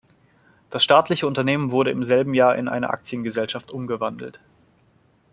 Das staatliche Unternehmen wurde im selben Jahr in eine Aktiengesellschaft umgewandelt.